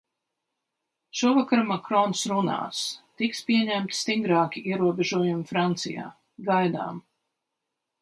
Šovakar Makrons runās, tiks pieņemti stingrāki ierobežojumi Francijā. Gaidām...